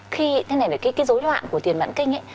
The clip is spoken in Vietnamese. thế này là cái dối loạn của tiền mẵn kinh ấy